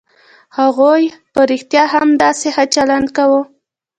هغوی په رښتيا هم همداسې ښه چلند کاوه.